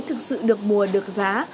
thực sự được mùa được giá